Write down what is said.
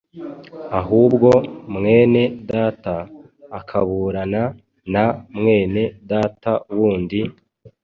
Ahubwo mwene Data akaburana na mwene Data wundi,